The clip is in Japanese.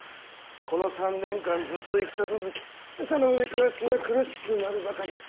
この３年間ずっと戦続きその上暮らしは苦しくなるばかり。